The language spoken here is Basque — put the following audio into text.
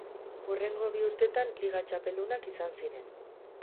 Hurrengo bi urtetan liga txapeldunak izan ziren.